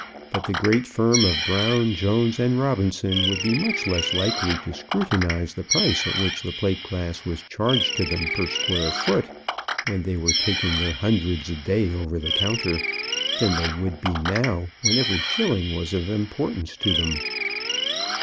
But the great firm of Brown, Jones, and Robinson would be much less likely to scrutinize the price at which plate glass was charged to them per square foot, when they were taking their hundreds a day over the counter, than they would be now when every shilling was of importance to them.